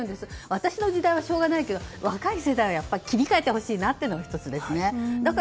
私の時代はしょうがないけど若い世代は切り替えてほしいというのが１つですね。